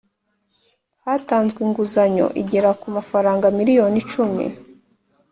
hatanzwe inguzanyo igera ku mafaranga miliyoni icumi